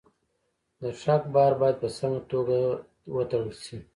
د ټرک بار باید په سمه توګه تړل شي.